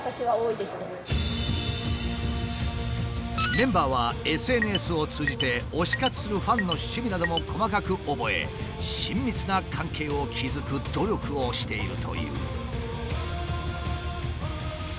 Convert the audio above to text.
メンバーはＳＮＳを通じて推し活するファンの趣味なども細かく覚え親密な関係を築く努力をしているという。